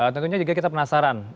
tentunya juga kita penasaran